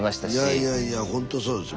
いやいやいやほんとそうですよ。